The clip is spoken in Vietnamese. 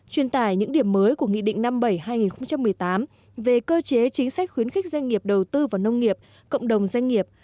truyền tải những điểm mới của nghị định năm bảy hai nghìn một mươi tám về cơ chế chính sách khuyến khích doanh nghiệp đầu tư vào nông nghiệp cộng đồng doanh nghiệp